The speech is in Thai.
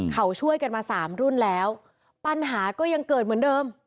เขาช่วยกันมาสามรุ่นแล้วปัญหาก็ยังเกิดเหมือนเดิม